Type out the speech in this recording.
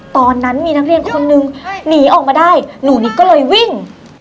ตอนนั้นมีนักเรียนคนนึงหนีออกมาได้หนูนิดก็เลยวิ่ง